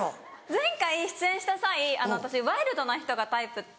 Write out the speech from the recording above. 前回出演した際私ワイルドな人がタイプって。